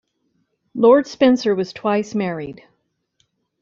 Lord Spencer was twice married.